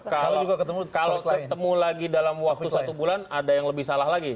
kalau ketemu lagi dalam waktu satu bulan ada yang lebih salah lagi